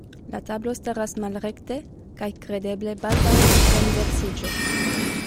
La tablo staras malrekte kaj kredeble baldaŭ renversiĝos.